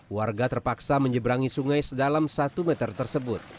warga terpaksa menyeberangi sungai sedalam satu meter tersebut